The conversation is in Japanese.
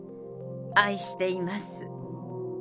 愛しています。